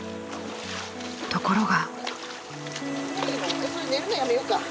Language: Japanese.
ところが。